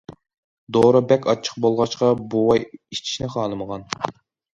دورا بەك ئاچچىق بولغاچقا، بوۋاي ئىچىشنى خالىمىغان.